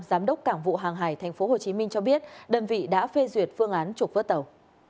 giám đốc cảng vụ hàng hải tp hcm cho biết đơn vị đã phê duyệt phương án trục vớt tàu